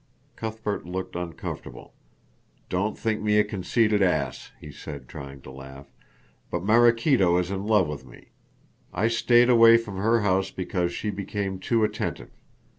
Cuthbert looked uncomfortable. "Don't think me a conceited ass," he said, trying to laugh, "but Maraquito is in love with me. I stayed away from her house because she became too attentive.